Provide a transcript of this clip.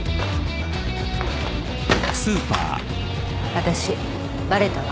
私バレたわ。